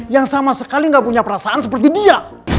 yang sama sekali nggak punya perasaan seperti dia